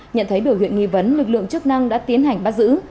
nhận thấy bởi huyện nghi vấn lực lượng chức năng đã tiến hành bắt giữ